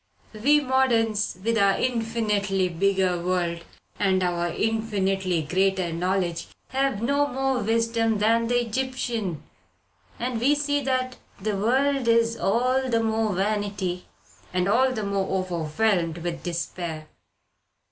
We moderns, with our infinitely bigger world and our infinitely greater knowledge, have no more wisdom than the Egyptian, and we see that the world is all the more vanity and are all the more overwhelmed with despair."